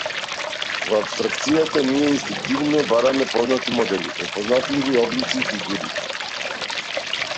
Во апстракцијата, ние инстинктивно бараме познати модели, препознатливи облици и фигури.